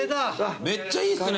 めっちゃいいっすね